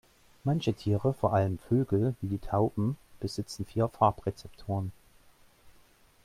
Manche Tiere, vor allem Vögel, wie die Tauben, besitzen vier Farbrezeptoren.